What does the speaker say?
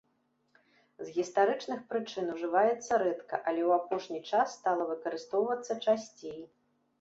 З гістарычных прычын ужываецца рэдка, але ў апошні час стала выкарыстоўвацца часцей.